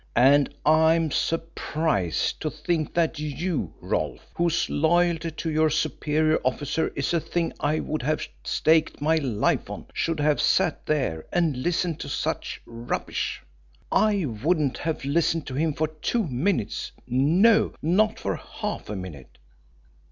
"And I'm surprised to think that you, Rolfe, whose loyalty to your superior officer is a thing I would have staked my life on, should have sat there and listened to such rubbish. I wouldn't have listened to him for two minutes no, not for half a minute.